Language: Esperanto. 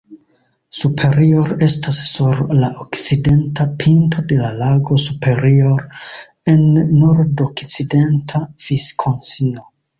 Superior estas sur la okcidenta pinto de la lago Superior en nordokcidenta Viskonsino.